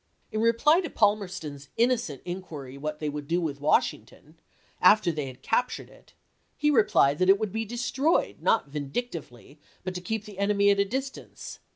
In reply to Palmerston's innocent inquiry what they would do with Washington, after they had captured it, he replied that it would be destroyed, not vindic tively, but to keep the enemy at a distance.